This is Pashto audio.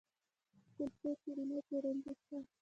د کلچو او شیریني پلورنځي شته